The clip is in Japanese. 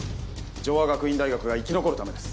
城和学院大学が生き残るためです